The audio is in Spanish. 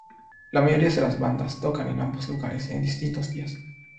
La mayoría de las bandas tocan en ambos lugares en distintos días.